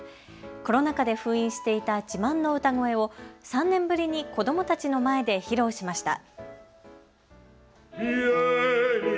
コロナ禍で封印していた自慢の歌声を３年ぶりに子どもたちの前で披露しました。